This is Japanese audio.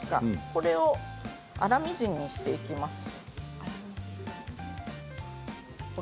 これを粗みじんにしていきます。